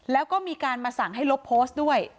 แล้วก็มีการมาสั่งให้ลบโพสต์ด้วย